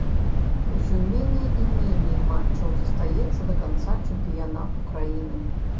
Усё меней і меней матчаў застаецца да канца чэмпіянату краіны.